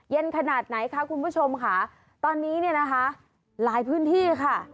ขนาดไหนคะคุณผู้ชมค่ะตอนนี้เนี่ยนะคะหลายพื้นที่ค่ะ